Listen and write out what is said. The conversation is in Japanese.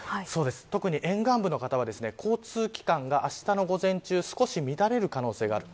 特に沿岸部の方は交通機関があしたの午前中少し乱れる可能性がある。